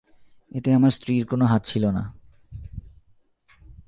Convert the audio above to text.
এতে আমার স্ত্রীর কোন হাত ছিল না।